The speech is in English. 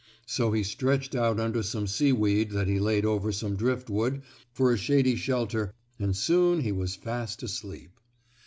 So he stretched out under some seaweed that he laid over some driftwood for a shady shelter and soon he was fast asleep.